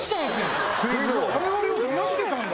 我々をだましてたんだ。